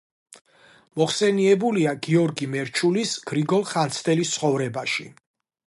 მოხსენიებულია გიორგი მერჩულის „გრიგოლ ხანძთელის ცხოვრებაში“.